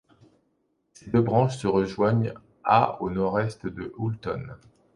Ces deux branches se rejoignent à au nord-est de Houlton.